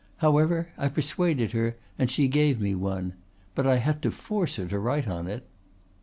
However, I persuaded her and she gave me one. But I had to force her to write on it."